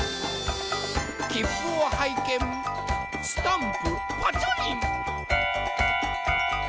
きっぷをはいけんスタンプパチョリン。